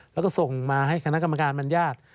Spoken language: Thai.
แล้วก็ส่งมาให้คณะกรรมการบรรยาท